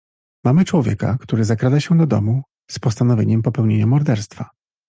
"Mamy człowieka, który zakrada się do domu z postanowieniem popełnienia morderstwa."